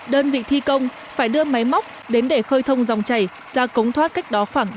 đơn vị thi công phải đưa máy móc đến để khơi thông dòng chảy ra cống thoát cách đó khoảng ba trăm linh mét